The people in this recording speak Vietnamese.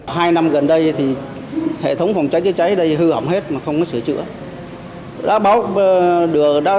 hai năm gần đây thì hệ thống phòng cháy chữa cháy đây hư hỏng hết mà không có sửa chữa